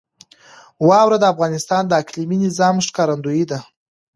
واوره د افغانستان د اقلیمي نظام ښکارندوی ده.